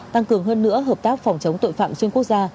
tăng cường hơn nữa hợp tác phòng chống tội phạm xuyên quốc gia